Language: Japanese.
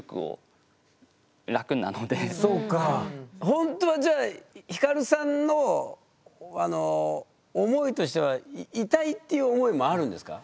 ほんとはじゃあヒカルさんの思いとしては「いたい」っていう思いもあるんですか？